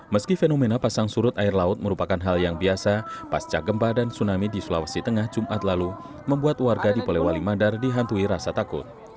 meski fenomena pasang surut air laut merupakan hal yang biasa pasca gempa dan tsunami di sulawesi tengah jumat lalu membuat warga di polewali mandar dihantui rasa takut